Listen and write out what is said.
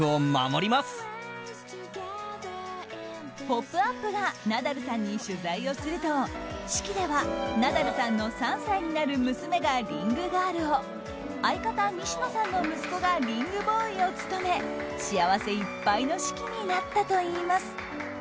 「ポップＵＰ！」がナダルさんに取材をすると式では、ナダルさんの３歳になる娘がリングガールを相方・西野さんの息子がリングボーイを務め幸せいっぱいの式になったといいます。